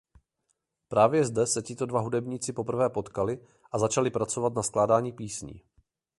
Právě zde se tito dva hudebníci poprvé potkali a začali pracovat na skládání písní.